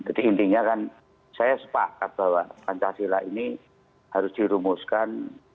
jadi intinya saya sepakat bahwa pancasila ini harus dirumuskan